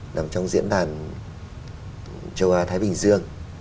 nằm trong diễn đàn châu á thái bình dương